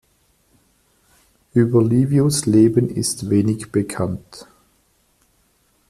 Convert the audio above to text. Über Livius’ Leben ist wenig bekannt.